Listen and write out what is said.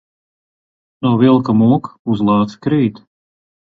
No vilka mūk, uz lāci krīt.